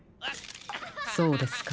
そうですか。